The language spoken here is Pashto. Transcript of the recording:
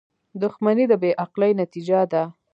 • دښمني د بې عقلۍ نتیجه ده.